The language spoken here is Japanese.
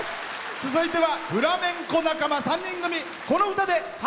続いてはフラメンコ仲間３人組。